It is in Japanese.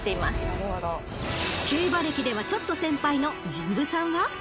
［競馬歴ではちょっと先輩の神部さんは］